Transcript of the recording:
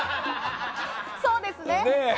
そうですね。